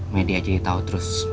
media jadi tahu terus